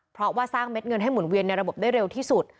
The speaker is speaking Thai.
เพราะว่าสร้างเม็ดเงินให้หมุนเวียนในระบบได้เร็วที่สุด